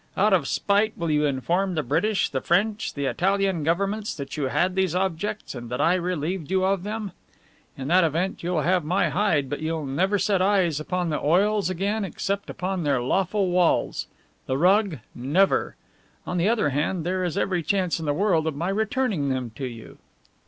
Out of spite, will you inform the British, the French, the Italian governments that you had these objects and that I relieved you of them? In that event you'll have my hide, but you'll never set eyes upon the oils again except upon their lawful walls the rug, never! On the other hand, there is every chance in the world of my returning them to you."